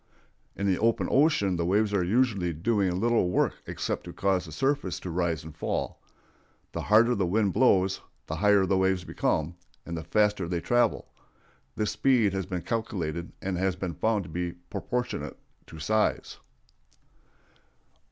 In the open ocean the waves are usually doing little work except to cause the surface to rise and fall. The harder the wind blows, the higher the waves become, and the faster they travel. This speed has been calculated, and has been found to be proportionate to size.